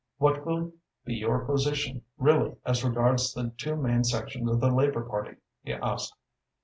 "What will be your position really as regards the two main sections of the Labour Party?" he asked.